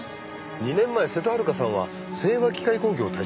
２年前瀬戸はるかさんは聖羽機械工業を退職。